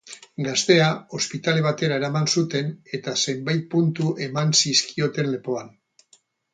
Gaztea ospitale batera eraman zuten eta zenbait puntu eman zizkioten lepoan.